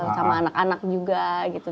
sama anak anak juga gitu